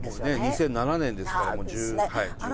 ２００７年ですからもう１０。